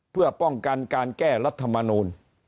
เพื่อป้องกันการแก้รัฐมนูล